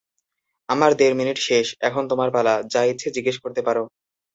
আমার দেড় মিনিট শেষ, এখন তোমার পালা, যা ইচ্ছে জিজ্ঞেস করতে পারো।